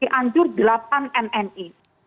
cianjur delapan mm ii